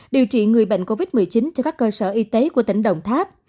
điều trị người bệnh covid một mươi chín cho các cơ sở y tế của tỉnh đồng tháp